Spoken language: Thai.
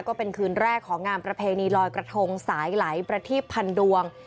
ก็เป็นคืนแรกของงานประเพณีลอยกระทงสายไหลประทีบพันดวง